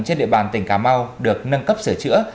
trên địa bàn tỉnh cà mau được nâng cấp sửa chữa